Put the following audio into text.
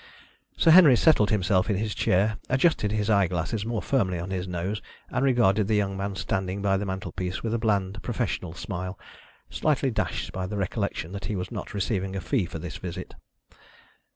Sir Henry settled himself in his chair, adjusted his eye glasses more firmly on his nose and regarded the young man standing by the mantelpiece with a bland professional smile, slightly dashed by the recollection that he was not receiving a fee for his visit.